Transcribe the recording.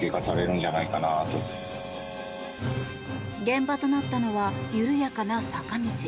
現場となったのは緩やかな坂道。